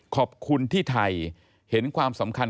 ขอบคุณที่ไทยเห็นความสำคัญ